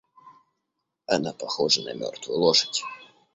Она похожа на мертвую лошадь.